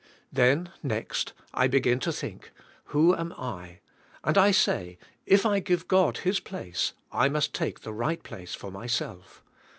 Then next I begin to think. Who am I, and I say, If I give God His place I must take the right place for myself.